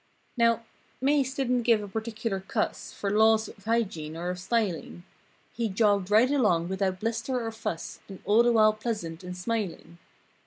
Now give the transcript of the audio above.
* Now Mase didn't give a particular cuss For laws of hygiene or of styling. He jogged right along without bluster or fuss And all the while pleasant and smiling.